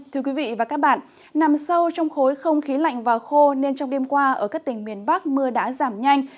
thưa quý vị và các bạn nằm sâu trong khối không khí lạnh và khô nên trong đêm qua ở các tỉnh miền bắc mưa đã giảm nhanh